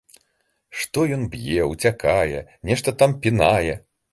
Што ён б'е, уцякае, нешта там пінае.